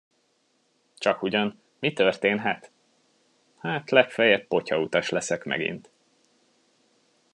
Csakugyan, mi történhet? Hát legfeljebb potyautas leszek megint.